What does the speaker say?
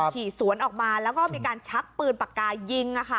ขี่สวนออกมาแล้วก็มีการชักปืนปากกายิง